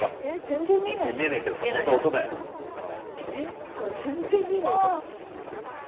・全然見えないじゃん。